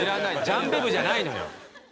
ジャンベ部じゃないのよ。